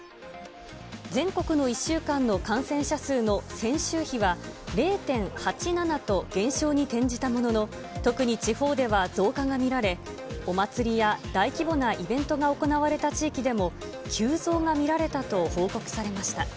全国の１週間の感染者数の先週比は０．８７と、減少に転じたものの、特に地方では増加が見られ、お祭りや大規模なイベントが行われた地域でも急増が見られたと報告されました。